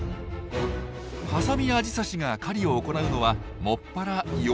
ハサミアジサシが狩りを行うのは専ら夜。